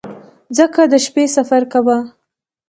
ځکه د شپې سفر کاوه.